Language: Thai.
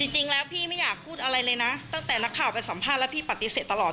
จริงแล้วพี่ไม่อยากพูดอะไรเลยนะตั้งแต่นักข่าวไปสัมภาษณ์แล้วพี่ปฏิเสธตลอด